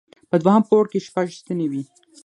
په دوهم پوړ کې شپږ ستنې وې.